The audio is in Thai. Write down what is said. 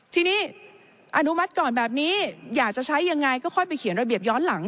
ทีนี้อนุมัติก่อนแบบนี้อยากจะใช้ยังไงก็ค่อยไปเขียนระเบียบย้อนหลัง